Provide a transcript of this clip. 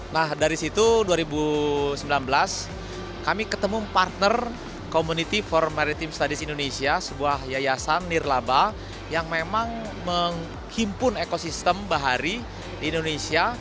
nah dari situ dua ribu sembilan belas kami ketemu partner community for maritim studies indonesia sebuah yayasan nirlaba yang memang menghimpun ekosistem bahari di indonesia